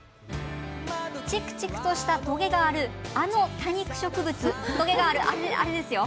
チクチクとしたトゲがあるあの多肉植物トゲがある、あれですよ。